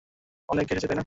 অনেকে এসেছে, তাই না?